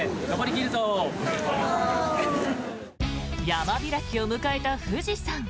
山開きを迎えた富士山。